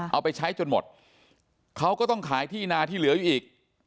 เอาไปใช้จนหมดเขาก็ต้องขายที่นาที่เหลืออยู่อีก